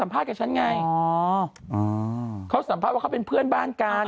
พี่แขล่ขึ้นไหมค่ะ